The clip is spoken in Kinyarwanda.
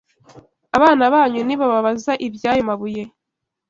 abana banyu nibababaza iby’ayo mabuye